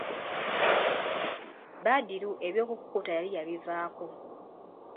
Badru eby'okukutta yali yabivaako.